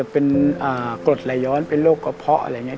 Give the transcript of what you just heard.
เป็นเกิร์ตไหลย้อนเป็นโรคกหัวเผาอะไรอย่างเงี้ย